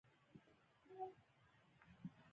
د تشکيل لګښتونه یې هم د روسانو له جېب څخه ورکول کېدل.